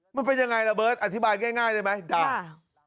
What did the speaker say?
มันเป็นยังไงระเบิร์ตอธิบายง่ายได้ไหมด่า